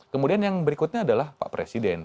kemudian yang berikutnya adalah pak presiden